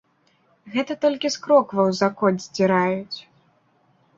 Гэта толькі з крокваў закот здзіраюць.